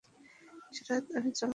সারারাত আমি চললাম।